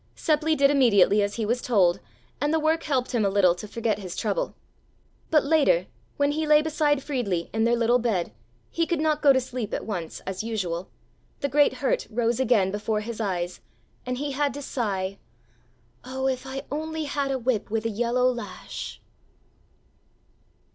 Seppli did immediately as he was told, and the work helped him a little to forget his trouble. But later, when he lay beside Friedli in their little bed, he could not go to sleep at once, as usual, the great hurt rose again before his eyes, and he had to sigh: "Oh, if I only had a whip with a yellow lash!"